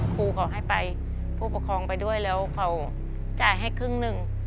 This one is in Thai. ครูเขาให้ไปผู้ปกครองไปด้วยแล้วเขาจ่ายให้ครึ่งหนึ่ง